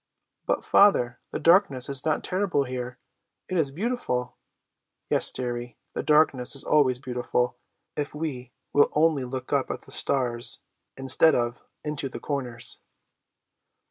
"But, father, the darkness is not terrible here, it is beautiful!" "Yes, dearie; the darkness is always beautiful, if we will only look up at the stars, instead of into the corners."